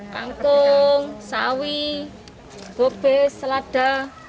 kangkung sawi gobek selada